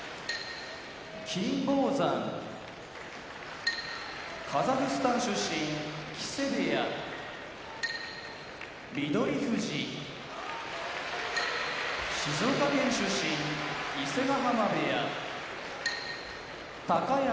金峰山カザフスタン出身木瀬部屋翠富士静岡県出身伊勢ヶ濱部屋高安